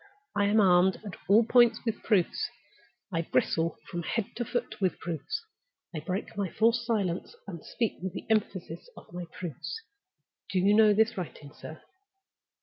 I am armed at all points with proofs; I bristle from head to foot with proofs; I break my forced silence, and speak with the emphasis of my proofs. Do you know this writing, sir?"